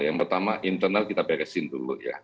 yang pertama internal kita beresin dulu ya